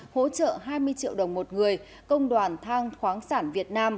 hỗ trợ hai mươi triệu đồng một người công đoàn than khoáng sản việt nam